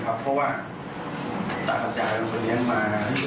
ครับเพราะว่าตากับจ่ายเป็นคนเลี้ยงมาอยู่ด้วยกันทั้งวันต่อซึ่ง